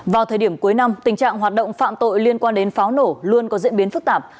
vào thời điểm cuối năm tình trạng hoạt động phạm tội liên quan đến pháo nổ luôn có diễn biến phức tạp